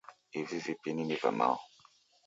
Ivi vipini ni va Mao.